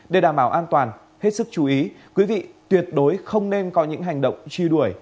để đảm bảo an toàn hết sức chú ý quý vị tuyệt đối không nên có những hành động truy đuổi